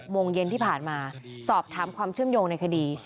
โมงเย็นที่ผ่านมาสอบถามความเชื่อมโยงในคดี